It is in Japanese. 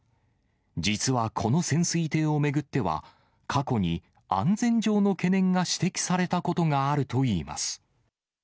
実はこの潜水艇を巡っては、過去に安全上の懸念が指摘されたことがあるといいます。